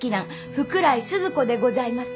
福来スズ子でございます。